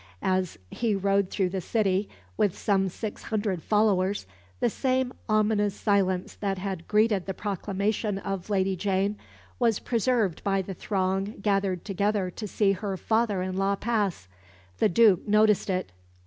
As he rode through the city, with some six hundred followers, the same ominous silence that had greeted the proclamation of Lady Jane was preserved by the throng gathered together to see her father in law pass. The Duke noticed it.